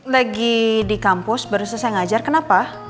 lagi di kampus baru selesai saya ngajar kenapa